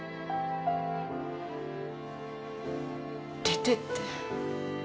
出てって。